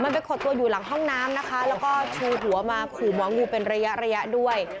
มันไปขดตัวอยู่หลังห้องน้ำนะคะแล้วก็ชูหัวมาขู่หมองูเป็นระยะระยะด้วย